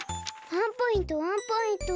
ワンポイントワンポイント。